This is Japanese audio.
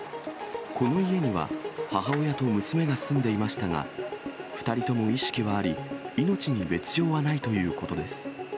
この家には母親と娘が住んでいましたが、２人とも意識はあり、命に別状はないということです。